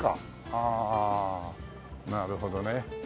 はあなるほどね。